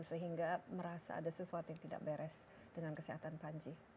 sehingga merasa ada sesuatu yang tidak beres dengan kesehatan panji